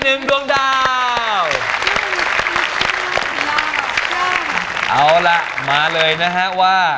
เอาล่ะมาเลยนะฮะว่า